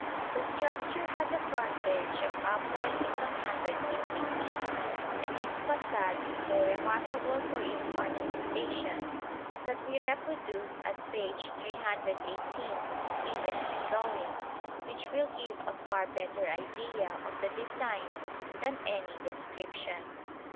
The structure had a frontage of upwards of 150 feet, and its façade is so remarkable for its ornamentation that we reproduce at page 318 Stephens's drawing, which will give a far better idea of the design than any description.